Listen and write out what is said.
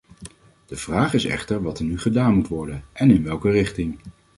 De vraag is echter wat er nu gedaan moet worden, en in welke richting?